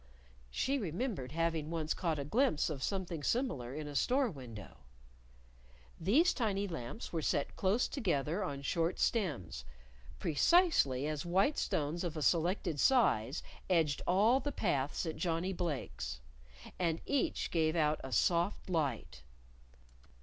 (She remembered having once caught a glimpse of something similar in a store window.) These tiny lamps were set close together on short stems, precisely as white stones of a selected size edged all the paths at Johnnie Blake's. And each gave out a soft light.